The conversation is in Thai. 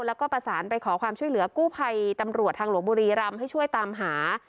แล้วก็ประสานไปขอความช่วยเหลือกู้ภัยตำรวจทางหลวงบุรีรำให้ช่วยตามหา